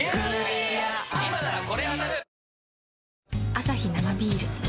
アサヒ生ビール